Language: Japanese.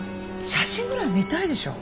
写真ぐらい見たいでしょ？